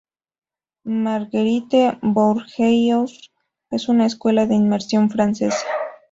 Marguerite-Bourgeois es una escuela de inmersión francesa.